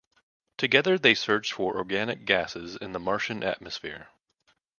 Together they searched for organic gases in the Martian atmosphere.